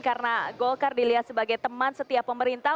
karena golkar dilihat sebagai teman setiap pemerintah